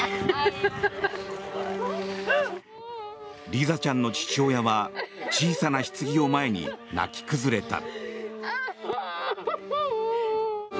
リザちゃんの父親は小さなひつぎを前に泣き崩れた。